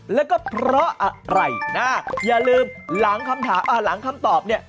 แล้วก็เพราะอะไรนะอย่าลืมหลังคำถามหลังคำตอบเนี่ย